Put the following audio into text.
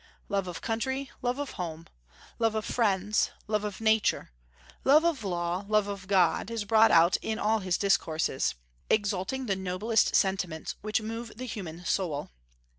Love of country, love of home, love of friends, love of nature, love of law, love of God, is brought out in all his discourses, exalting the noblest sentiments which move the human soul.